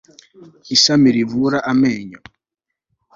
ishami rivura amenyo